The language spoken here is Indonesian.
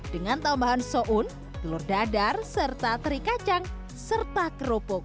dengan tambahan soun telur dadar serta teri kacang serta kerupuk